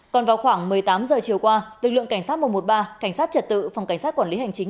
còn vào khoảng một mươi tám h chiều qua lực lượng cảnh sát một trăm một mươi ba cảnh sát trật tự phòng cảnh sát quản lý hành chính